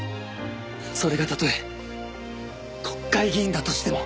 それがたとえ国会議員だとしても。